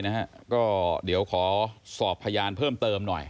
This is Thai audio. นะฮะก็เดี๋ยวขอสอบพยานเพิ่มเติมหน่อย